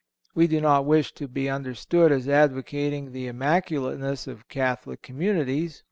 We do not wish to be understood as advocating the immaculateness of Catholic communities.